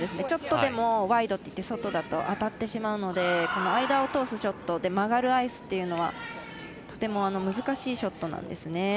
ちょっとでもワイド、外だと当たってしまうので間を通すショット曲がるアイスっていうのはとても難しいショットなんですね。